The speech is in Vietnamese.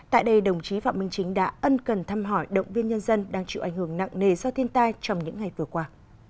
tại đây đồng chí phạm minh chính đã ân cần thăm hỏi động viên nhân dân đang chịu ảnh hưởng nặng nề do thiên tai trong những ngày vừa qua